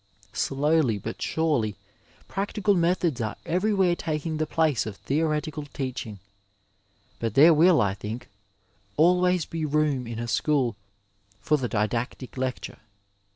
Slowly but surely practical methods are everywhere taking the {diace of theoretical teaching, but there will, I think, always be room in a school for the didactic lecture.